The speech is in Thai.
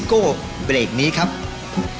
กลับเข้าสู่รายการชีวีบ่นไทยกับซิวเกิ้ลกรีม